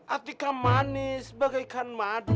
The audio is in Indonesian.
atika manis bagaikan madu